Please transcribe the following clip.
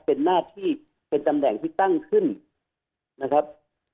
เป็นหน้าที่เป็นตำแหน่งที่ตั้งขึ้นนะครับ